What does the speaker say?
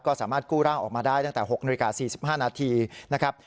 ก็สามารถกู้ร่างออกมาได้ตั้งแต่๖นาฬิกา๔๕นาทีนะครับ